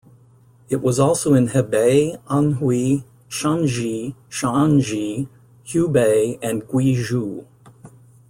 It was also in Hebei, Anhui, Shanxi, Shaanxi, Hubei and Guizhou.